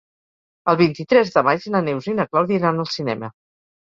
El vint-i-tres de maig na Neus i na Clàudia iran al cinema.